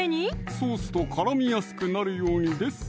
ソースと絡みやすくなるようにです